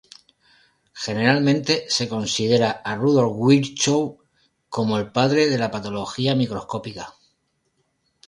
Generalmente, se considera a Rudolf Virchow como el padre de la patología microscópica.